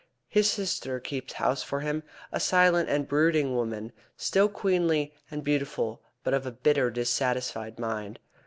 His sister keeps house for him, a silent and brooding woman, still queenly and beautiful, but of a bitter, dissatisfied mind.